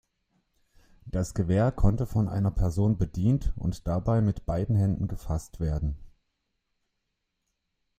Das Gewehr konnte von einer Person bedient und dabei mit beiden Händen gefasst werden.